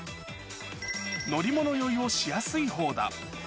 乗り物酔いをしやすいほうだ。